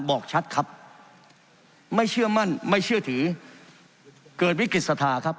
บอกชัดครับไม่เชื่อมั่นไม่เชื่อถือเกิดวิกฤตศรัทธาครับ